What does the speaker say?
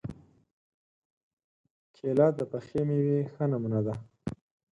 کېله د پخې مېوې ښه نمونه ده.